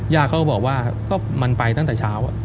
ยาเขาก็บอกว่าก็มันไปตั้งแต่เช้า